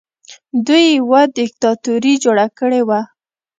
دوی یوه دیکتاتوري جوړه کړې وه